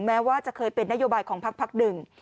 แม้ว่าจะเคยเป็นนโยบายของพักหนึ่ง